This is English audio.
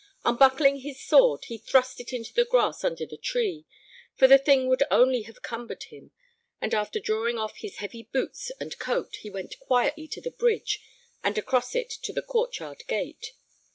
Unbuckling his sword, he thrust it into the grass under the tree, for the thing would only have cumbered him, and after drawing off his heavy boots and coat he went quietly to the bridge and across it to the court yard gate.